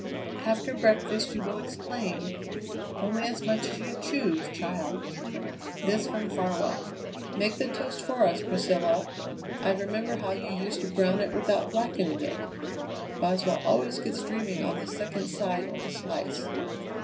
"After breakfast you will explain only as much as you choose, child." This from Farwell. "Make the toast for us, Priscilla. I remember how you used to brown it without blackening it. Boswell always gets dreaming on the second side of the slice."